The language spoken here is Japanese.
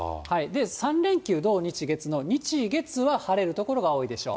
３連休、土、日、月の日、月は晴れる所が多いでしょう。